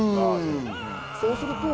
そうすると。